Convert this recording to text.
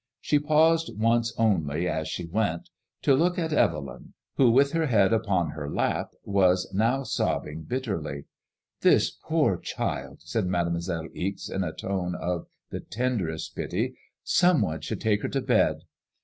She paused once only, as she went, to look at Evelyn, who, with her head upon her lap, was now sobbing bitterly. "This poor child!" said Mademoiselle Ixe, in a tone of the tenderest pity. '* Some one should take her to bed."